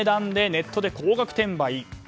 ネットで高額転売。